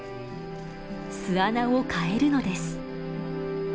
巣穴を替えるのです。